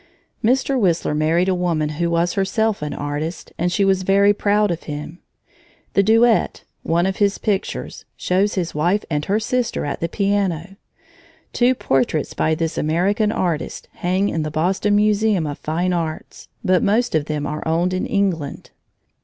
Mr. Whistler married a woman who was herself an artist, and she was very proud of him. "The Duet", one of his pictures, shows his wife and her sister at the piano. Two portraits by this American artist hang in the Boston Museum of Fine Arts, but most of them are owned in England.